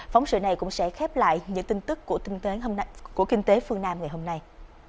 phóng sự này cũng sẽ khép lại những tin tức của kinh tế phương nam ngày hôm nay